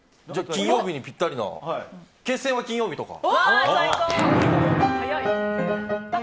金曜日にぴったりな「決戦は金曜日」とか。